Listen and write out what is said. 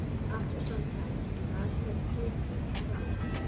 After some time the man who had steered the boat recovered.